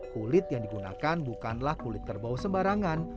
kulit yang digunakan bukanlah kulit kerbau sembarangan